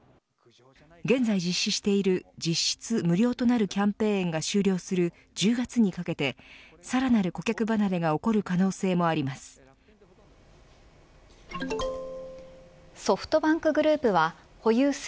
現在、実施している実質無料となるキャンペーンが終了する１０月にかけてさらなる顧客離れが起こる可能性もあります。